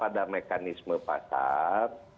ada mekanisme pasar